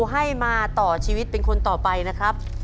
ให้มาต่อชีวิตเป็นคนต่อไปนะครับ